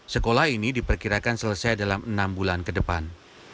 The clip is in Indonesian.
sekolah ini diperkirakan selesai dalam enam bulan ke depan